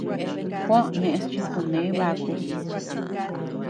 Juó neʼes chi kune bakus.